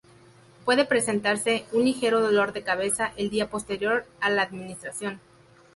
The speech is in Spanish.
Puede presentarse un ligero dolor de cabeza el día posterior a la administración.